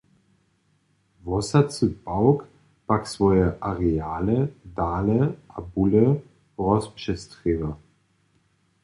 Wosacy pawk pak swoje areale dale a bóle rozpřestrěwa.